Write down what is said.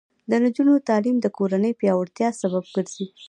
د نجونو تعلیم د کورنۍ پیاوړتیا سبب ګرځي.